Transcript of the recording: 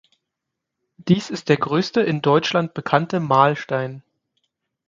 Dies ist der größte in Deutschland bekannte Mahlstein.